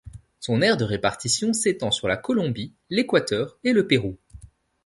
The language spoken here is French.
Son aire de répartition s'étend sur la Colombie, l'Équateur et le Pérou.